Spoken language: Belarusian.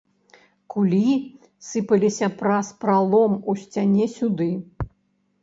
Кулі сыпаліся праз пралом у сцяне сюды.